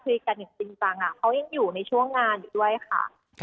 หรือนะก็ยังอยู่ในช่วงงานด้วยค่ะ